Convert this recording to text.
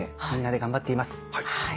みんなで頑張っています。